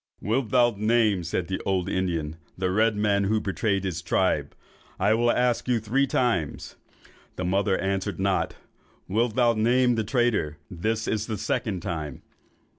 "'Wilt thou name,' said the old Indian, 'the red man who betrayed his tribe? I will ask thee three times.' The mother answered not. 'Wilt thou name the traitor? This is the second time.